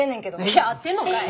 いや合ってんのかい！